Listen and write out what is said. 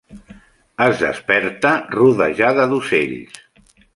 Es desperta rodejada d'ocells.